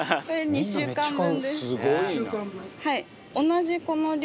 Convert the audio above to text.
２週間分。